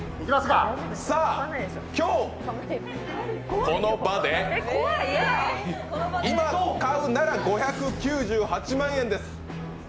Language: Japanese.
今日、この場で今、買うなら５９８万円です。